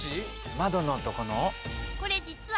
窓のとこの？